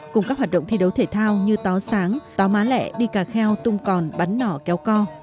cùng các hoạt động thi đấu thể thao như tó sáng tó má lẹ đi cà kheo tung còn bắn nỏ kéo co